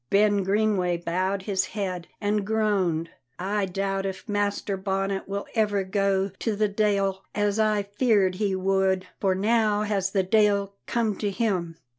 Ben Greenway bowed his head and groaned. "I doubt if Master Bonnet will ever go to the de'il as I feared he would, for now has the de'il come to him.